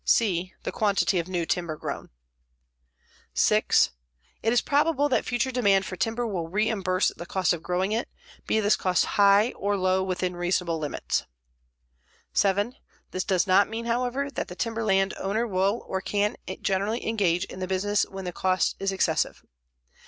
c. The quantity of new timber grown. 6. It is probable that future demand for timber will reimburse the cost of growing it, be this cost high or low within reasonable limits. 7. This does not mean, however, that the timberland owner will or can generally engage in the business when the cost is excessive.